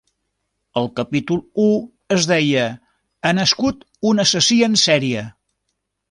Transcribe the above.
El capítol u es deia Ha nascut un assassí en sèrie.